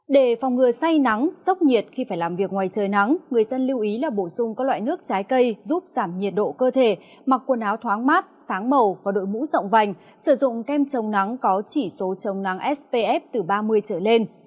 để phòng ngừa say nắng sốc nhiệt khi phải làm việc ngoài trời nắng người dân lưu ý là bổ sung các loại nước trái cây giúp giảm nhiệt độ cơ thể mặc quần áo thoáng mát sáng màu và đội mũ rộng vành sử dụng kem chống nắng có chỉ số chống nắng spf từ ba mươi trở lên